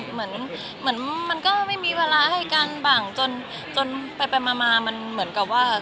เหมือนเหมือนมันก็ไม่มีเวลาให้กันบ้างจนไปมามันเหมือนกับว่า